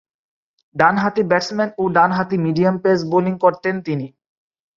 ডানহাতি ব্যাটসম্যান ও ডানহাতি মিডিয়াম পেস বোলিং করতেন তিনি।